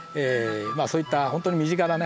そういったほんとに身近なね